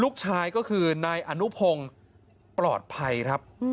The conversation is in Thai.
ลูกชายก็คือนายอนุพงศ์ปลอดภัยครับ